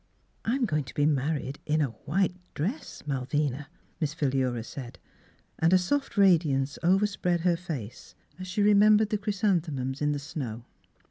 " I'm going to be married in a white dress, Malvina," Miss Philura said, and a soft radiance overspread her face, as she remembered the chrysanthemums in the snow.